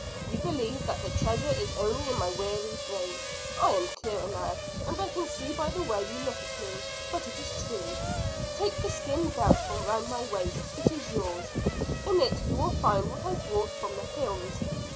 You believe that the treasure is only in my weary brain. I am clearer now, and I can see by the way you look at me; but it is true. Take the skin belt from round my waist. It is yours. In it you will find what I brought from the hills.